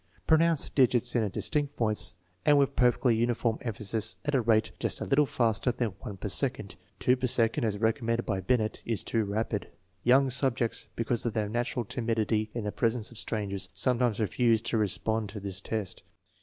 Pro nounce the digits in a distinct voice and with perfectly uniform emphasis at a rate just a little faster than one per second. Two per second, as recommended by Binet, is too rapid. Young subjects, because of their natural timidity in the presence of strangers, sometimes refuse to respond to this test.